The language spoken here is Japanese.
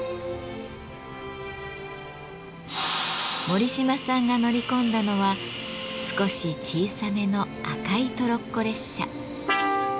森島さんが乗り込んだのは少し小さめの赤いトロッコ列車。